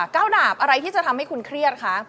ดาบอะไรที่จะทำให้คุณเครียดคะ